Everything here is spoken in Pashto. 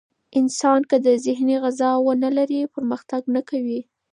انسان که ذهني غذا ونه لري، پرمختګ نه کوي.